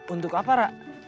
untuk apa ra